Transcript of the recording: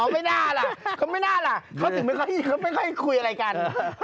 อ๋อไม่น่าล่ะเขาไม่ค่อยคุยอะไรกัน